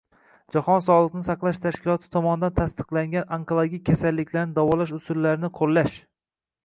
- Jahon sog'liqni saqlash tashkiloti tomonidan tasdiqlangan onkologik kasalliklarni davolash usullarini qo'llash